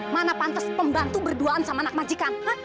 mana pantas pembantu berduaan sama anak majikan